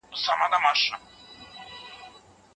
چا ويل ستا د لاس پر تندي څه ليـــكـلي ؟